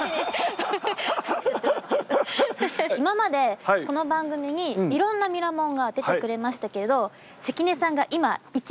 今までこの番組にいろんなミラモンが出てくれましたけど。